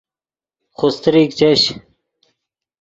خوستریک چش